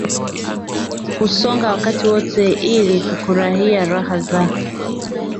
kusonga wakati wote ili kufurahi raha za